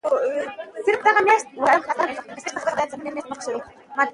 عقل بايد په نقل برلاسی وي.